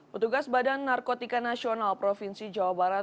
petugas badan narkotika nasional provinsi jawa barat